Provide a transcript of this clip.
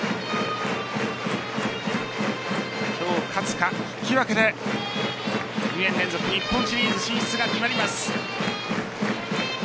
今日勝つか引き分けで２年連続日本シリーズ進出が決まります。